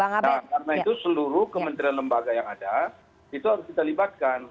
karena itu seluruh kementerian lembaga yang ada itu harus kita libatkan